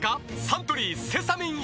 サントリー「セサミンＥＸ」